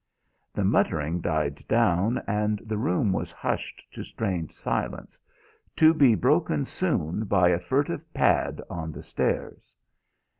The muttering died down and the room was hushed to strained silence to be broken soon by a furtive pad on the stairs.